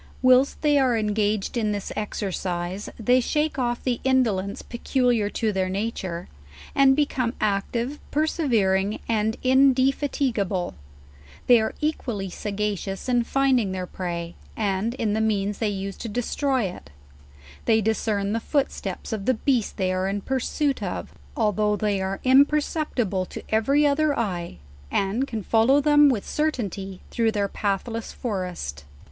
Whilst they are engaged in this exercise, they shake off the indolence peculiar to their nature, and become active, persevering, and indefatigable* They are equally sagacious in finding their prey, and in the means they use to destroy *See Dr* Hubbard's Compilation of Indian History* LEWIS AND CLARKE. 65 it. They discern the footsteps of the beast they are in pur suit of, although they are imperceptible to every other eye, and can follow them with certainty through their pathless forest.